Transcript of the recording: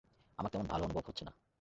আমার তেমন ভাল অনুভব হচ্ছে না।